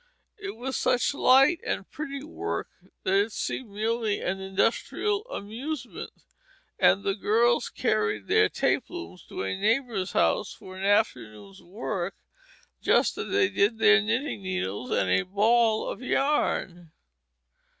It was such light and pretty work that it seemed merely an industrial amusement, and girls carried their tape looms to a neighbor's house for an afternoon's work, just as they did their knitting needles and ball of yarn.